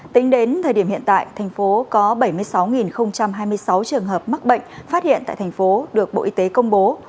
tính đến thời điểm hiện tại thành phố có bảy mươi sáu hai mươi sáu trường hợp mắc bệnh phát hiện tại thành phố được bộ y tế công bố